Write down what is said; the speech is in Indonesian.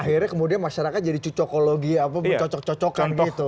akhirnya kemudian masyarakat jadi cucokologi apa mencocok cocokan gitu